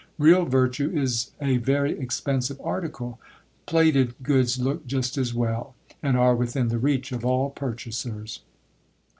Real virtue is a very expensive article ; plated goods look just as well, and are within the reach of all purchasers.